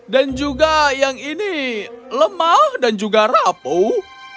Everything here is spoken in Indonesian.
dan juga yang ini lemah dan juga rapuh